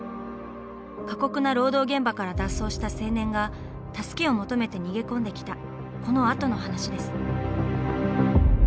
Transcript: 過酷な労働現場から脱走した青年が助けを求めて逃げ込んできたこの後の話です。